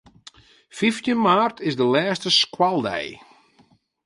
Fyftjin maart is de lêste skoaldei.